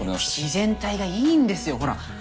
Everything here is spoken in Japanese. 自然体がいいんですよほら。